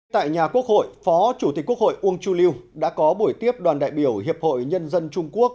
tại nhà quốc hội phó chủ tịch quốc hội uông chu lưu đã có buổi tiếp đoàn đại biểu hiệp hội nhân dân trung quốc